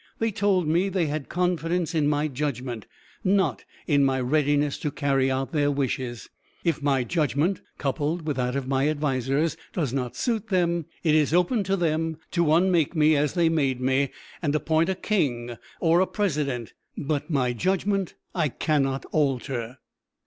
They told me they had confidence in my judgment, not in my readiness to carry out their wishes. If my judgment, coupled with that of my advisers, does not suit them, it is open to them to unmake me as they made me, and appoint a king or a president, but my judgment I cannot alter."